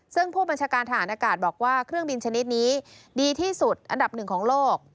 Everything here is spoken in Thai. ซึ่งผู้บัญชาการทหารอากาศบอกว่าเครื่องบินชนิดนี้ดีที่สุดอันดับหนึ่งของโลก